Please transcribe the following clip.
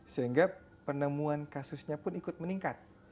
sehingga penemuan kasusnya pun ikut meningkat